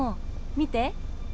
見て。